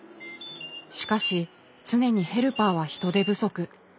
しかし常にヘルパーは人手不足。